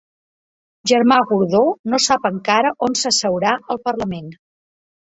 Germà Gordó no sap encara on s'asseurà al Parlament